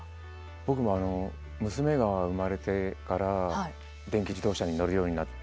僕も娘が生まれてから電気自動車に乗るようになって。